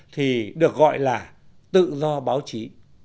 thì được gọi là tự do báo chí